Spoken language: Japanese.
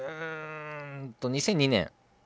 ２００２年。